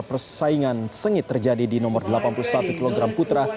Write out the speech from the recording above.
persaingan sengit terjadi di nomor delapan puluh satu kg putra